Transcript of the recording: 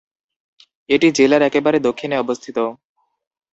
এটি জেলার একেবারে দক্ষিণে অবস্থিত।